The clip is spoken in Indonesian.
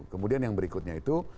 kemudian yang berikutnya itu